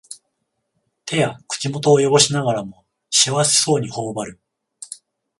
手や口元をよごしながらも幸せそうにほおばる